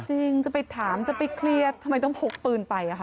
จริงจะไปถามจะไปเคลียร์ทำไมต้องพกปืนไปอะค่ะ